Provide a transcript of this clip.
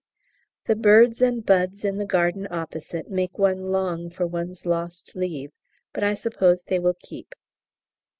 The birds and buds in the garden opposite make one long for one's lost leave, but I suppose they will keep.